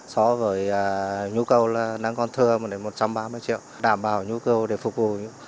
so với nhu cầu nắng con thơ một trăm ba mươi triệu đảm bảo nhu cầu để phục vụ